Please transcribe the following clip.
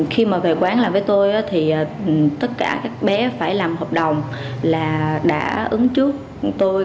khi mà về quán làm với tôi thì tất cả các bé phải làm hợp đồng là đã ứng trước tôi